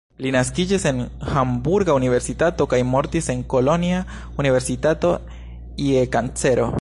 Li naskiĝis en Hamburga Universitato kaj mortis en Kolonja Universitato je kancero.